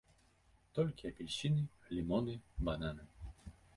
Толькі апельсіны, лімоны, бананы.